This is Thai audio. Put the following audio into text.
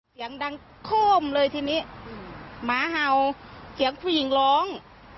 เสียงดังโค้มเลยทีนี้หมาเห่าเสียงผู้หญิงร้อง